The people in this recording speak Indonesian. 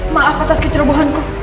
maaf atas kecerobohanku